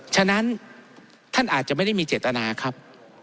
ฉะนั้นท่านอาจจะไม่ได้มีเจตนาครับ